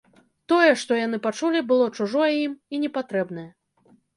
Тое, што яны пачулі, было чужое ім і непатрэбнае.